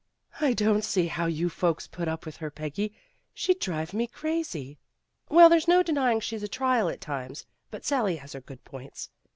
"I don't see how you folks put up with her, Peggy. She'd drive me crazy." "Well, there's no denying she's a trial at times, but Sally has her good points.